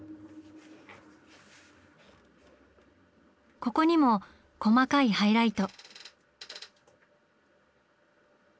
ここにも細かいハイライト。